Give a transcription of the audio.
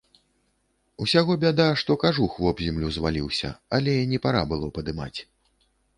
Усяго бяда, што кажух вобземлю зваліўся, але не пара было падымаць.